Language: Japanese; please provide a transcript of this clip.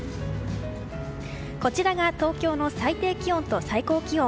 こちらが東京の最低気温と最高気温。